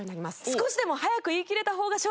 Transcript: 少しでも早く言い切れた方が勝利。